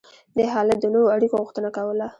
دې حالت د نویو اړیکو غوښتنه کوله.